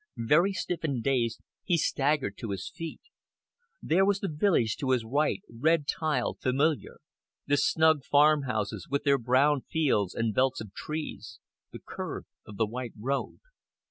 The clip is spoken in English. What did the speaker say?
Very stiff and dazed, he staggered to his feet. There was the village to his right, red tiled, familiar; the snug farmhouses, with their brown fields and belts of trees; the curve of the white road.